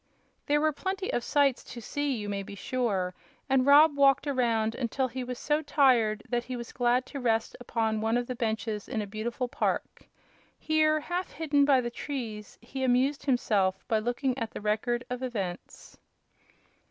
There were plenty of sights to see, you may be sure, and Rob walked around until he was so tired that he was glad to rest upon one of the benches in a beautiful park. Here, half hidden by the trees, he amused himself by looking at the Record of Events.